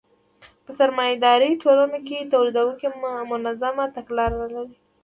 په سرمایه داري ټولنو کې تولیدونکي منظمه تګلاره نلري